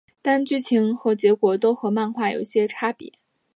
但剧情和结局都和漫画有一些差异。